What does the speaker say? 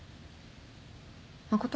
誠？